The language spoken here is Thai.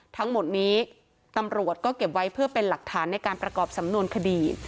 ทั้งหมดนี้ตำรวจก็เก็บไว้เพื่อเป็นหลักฐานในการประกอบสำนวนคดี